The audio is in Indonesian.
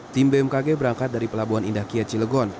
tim bmkg berangkat dari pelabuhan indah kiacilegon